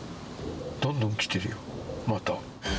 どんどん来てるよ、また。